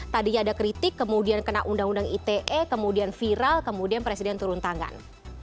tadinya ada kritik kemudian kena undang undang ite kemudian viral kemudian presiden turun tangan